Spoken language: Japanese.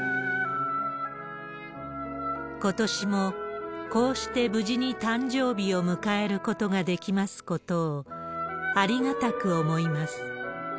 ことしもこうして無事に誕生日を迎えることができますことを、ありがたく思います。